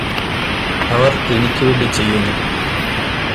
അവര് എനിക്ക് വേണ്ടി ചെയ്യുന്നു